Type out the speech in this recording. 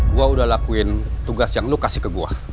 gue udah lakuin tugas yang lu kasih ke gue